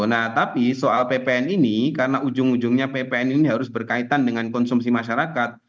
nah tapi soal ppn ini karena ujung ujungnya ppn ini harus berkaitan dengan konsumsi masyarakat